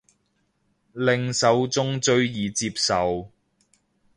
令受眾最易接受